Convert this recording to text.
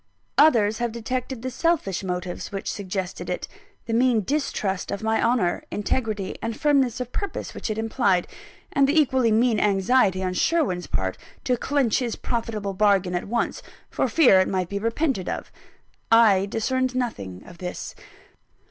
Others have detected the selfish motives which suggested it: the mean distrust of my honour, integrity, and firmness of purpose which it implied; and the equally mean anxiety on Sherwin's part to clench his profitable bargain at once, for fear it might be repented of. I discerned nothing of this.